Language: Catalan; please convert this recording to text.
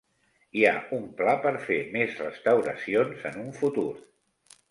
Hi ha un pla per fer més restauracions en un futur.